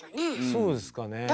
そうですかねえ。